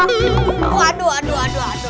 aduh aduh aduh aduh